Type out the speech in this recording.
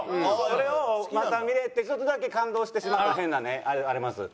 それをまた見れてちょっとだけ感動してしまうという変なねあります。